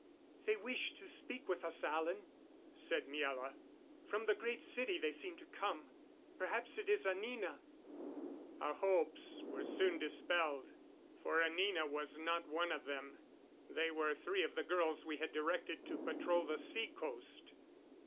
"They wish to speak with us, Alan," said Miela. "From the Great City they seem to come. Perhaps it is Anina." Our hopes were soon dispelled, for Anina was not one of them; they were three of the girls we had directed to patrol the seacoast.